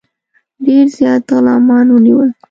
ډېر زیات غلامان ونیول.